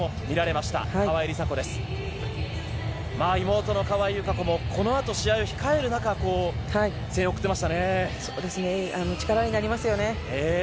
まあ、妹の川井友香子も、このあと試合を控える中、そうですね、力になりますよね。